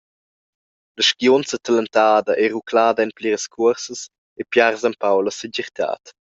La skiunza talentada ei ruclada en pliras cuorsas e piars empau la segirtad.